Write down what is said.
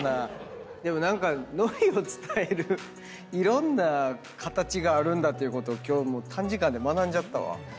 でも何かのりを伝えるいろんな形があるんだということを今日短時間で学んじゃったわ。